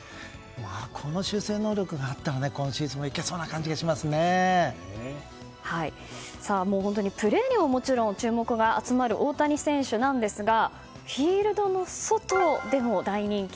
この修正能力があったら今シーズンもプレーにももちろん注目が集まる大谷選手なんですがフィールドの外でも大人気。